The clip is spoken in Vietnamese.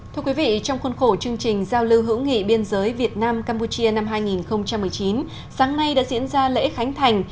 thưa quý vị trong khuôn khổ chương trình giao lưu hữu nghị biên giới việt nam campuchia năm hai nghìn một mươi chín sáng nay đã diễn ra lễ khánh thành